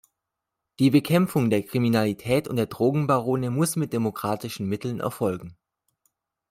Die Bekämpfung der Kriminalität und der Drogenbarone muss mit demokratischen Mitteln erfolgen.